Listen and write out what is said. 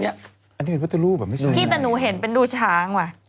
พี่แต่หนูเห็นเป็นดูช้างว่ะ